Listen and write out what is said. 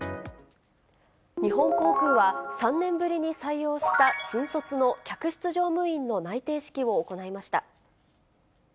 日本航空は、３年ぶりに採用した新卒の客室乗務員の内定式を行いました。